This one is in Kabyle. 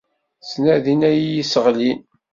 Ttnadin ad iyi-sseɣlin.